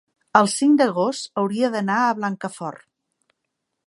el cinc d'agost hauria d'anar a Blancafort.